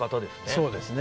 そうですね